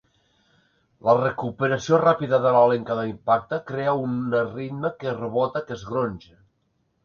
La recuperació ràpida de l'alè en cada impacte crea una ritme que rebota, que es gronxa.